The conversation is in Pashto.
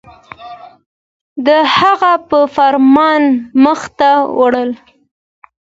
د هغه په فرمان مخ ته وړله